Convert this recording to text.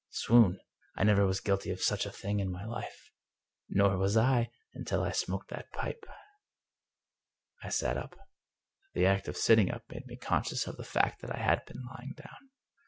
" Swoon! I never was guilty of such a thing in my life." " Nor was I, until I smoked that pipe." I sat up. The act of sitting up made me conscious of the fact that I had been lying down.